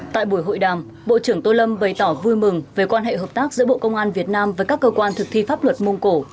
tại buổi hội đàm bộ trưởng tô lâm bày tỏ vui mừng về quan hệ hợp tác giữa bộ công an việt nam với các cơ quan thực thi pháp luật mông cổ